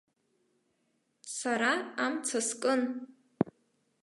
Сара амца скын.